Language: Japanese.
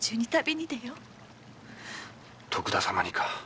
徳田様にか。